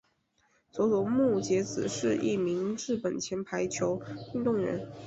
佐佐木节子是一名日本前排球运动员。